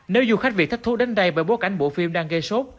nếu du khách việc thách thú đến đây bởi bối cảnh bộ phim đang gây sốt